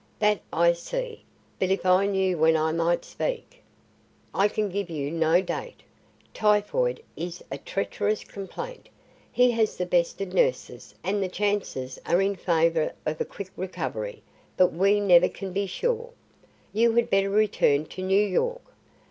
"That I see; but if I knew when I might speak " "I can give you no date. Typhoid is a treacherous complaint; he has the best of nurses and the chances are in favour of a quick recovery; but we never can be sure. You had better return to New York.